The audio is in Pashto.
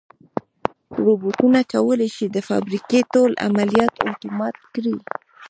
روبوټونه کولی شي د فابریکې ټول عملیات اتومات کړي.